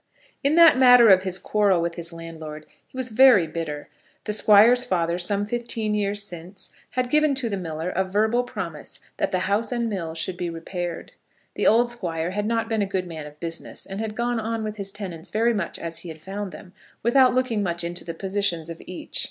In that matter of his quarrel with his landlord he was very bitter. The Squire's father some fifteen years since had given to the miller a verbal promise that the house and mill should be repaired. The old Squire had not been a good man of business, and had gone on with his tenants very much as he had found them, without looking much into the position of each.